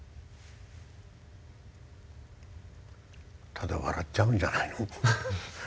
ただ笑っちゃうんじゃないの？